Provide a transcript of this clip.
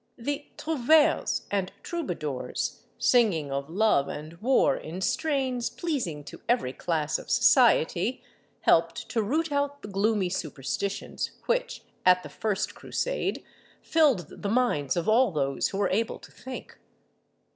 The Trouvères and Troubadours, singing of love and war in strains pleasing to every class of society, helped to root out the gloomy superstitions which, at the first Crusade, filled the minds of all those who were able to think.